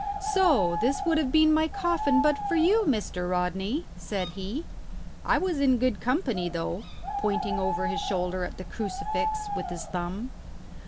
"So this would have been my coffin but for you, Mr. Rodney?" said he. "I was in good company, though," pointing over his shoulder at the crucifix with his thumb.